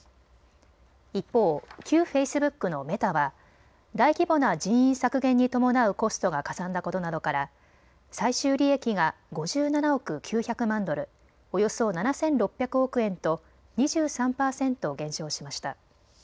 一方、旧フェイスブックのメタは大規模な人員削減に伴うコストがかさんだことなどから最終利益が５７億９００万ドル、およそ７６００億円と２３％減少しました。